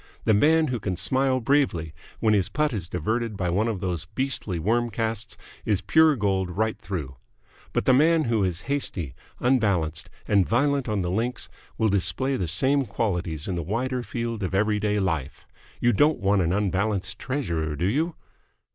The man who can smile bravely when his putt is diverted by one of those beastly wormcasts is pure gold right through. But the man who is hasty, unbalanced, and violent on the links will display the same qualities in the wider field of everyday life. You don't want an unbalanced treasurer do you?"